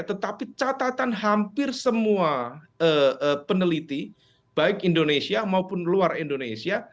tetapi catatan hampir semua peneliti baik indonesia maupun luar indonesia